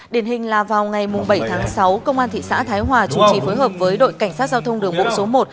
điển hình là vào ngày bảy tháng sáu công an thị xã thái hòa chủ trì phối hợp với đội cảnh sát giao thông đường bộ số một